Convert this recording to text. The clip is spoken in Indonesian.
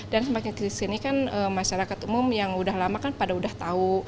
dan semakin kesini kan masyarakat umum yang udah lama kan pada udah tau